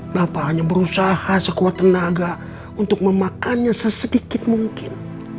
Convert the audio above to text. bapak hanya berusaha sekuat tenaga untuk memakannya sesedikit mungkin